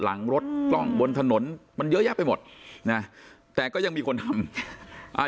หลังรถบนถนนมันเยอะแยะไปหมดแต่ก็ยังมีคนทำ